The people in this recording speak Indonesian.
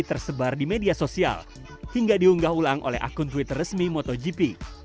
tersebar di media sosial hingga diunggah ulang oleh akun twitter resmi motogp